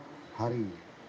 sudah menjadi tiga hari